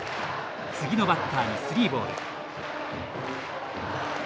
次のバッターに、スリーボール。